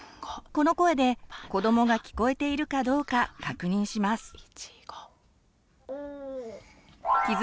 この声で子どもが聞こえているかどうか確認します。